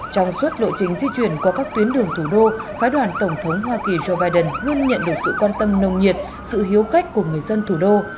trong suốt lộ trình di chuyển qua các tuyến đường thủ đô phái đoàn tổng thống hoa kỳ joe biden luôn nhận được sự quan tâm nồng nhiệt sự hiếu khách của người dân thủ đô